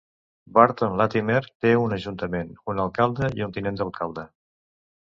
Burton Latimer té un ajuntament, un alcalde i un tinent d'alcalde.